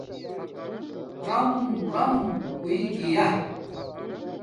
رَرَم رَرَم ہوئئ گیا